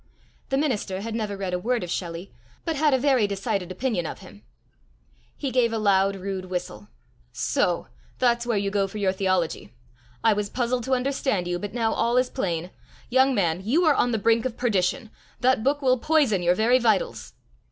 The minister had never read a word of Shelley, but had a very decided opinion of him. He gave a loud rude whistle. "So! that's where you go for your theology! I was puzzled to understand you, but now all is plain! Young man, you are on the brink of perdition. That book will poison your very vitals!"